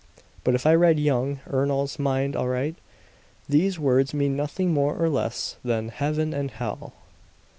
But if I read young Ernol's mind aright, these words mean nothing more or less than Heaven and hell!"